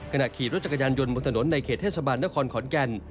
ขณะขี่รถจักรยานยนต์บนถนนในเขตเทศบาลนครขอนแก่น